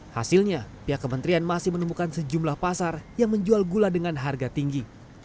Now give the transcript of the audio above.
hasilnya pihak kementerian masih menemukan sejumlah pasar yang menjual gula dengan harga tinggi